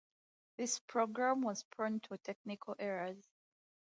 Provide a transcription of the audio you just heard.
This program was prone to technical errors.